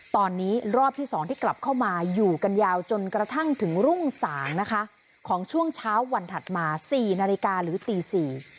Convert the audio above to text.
ตอนนี้รอบที่สองที่กลับเข้ามาอยู่กันยาวจนกระทั่งถึงรุ่งสางนะคะของช่วงเช้าวันถัดมาสี่นาฬิกาหรือตีสี่